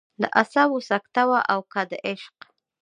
د اعصابو سکته وه او که د عشق.